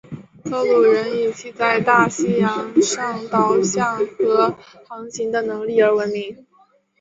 克鲁人以其在大西洋上导向和航行的能力而闻名。